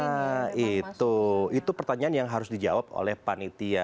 nah itu itu pertanyaan yang harus dijawab oleh panitia